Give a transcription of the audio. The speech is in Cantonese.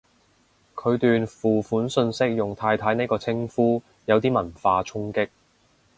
佢段付款訊息用太太呢個稱呼，有啲文化衝擊